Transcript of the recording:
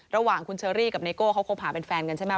ระหว่างคุณเชอรี่กับไนโก้เขาคบหาเป็นแฟนกันใช่ไหม